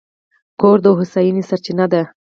کور د هوساینې سرچینه ده.